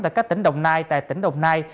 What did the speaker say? tại các tỉnh đồng nai tại tỉnh đồng nai